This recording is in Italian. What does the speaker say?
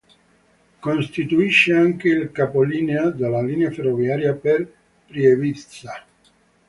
Costituisce anche il capolinea della linea ferroviaria per Prievidza.